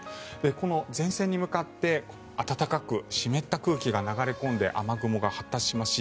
この前線に向かって暖かく湿った空気が流れ込んで雨雲が発達しますし